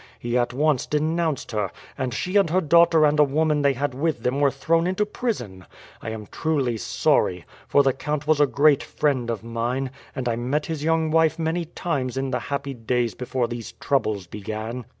He at once denounced her, and she and her daughter and a woman they had with them were thrown into prison. I am truly sorry, for the count was a great friend of mine, and I met his young wife many times in the happy days before these troubles began."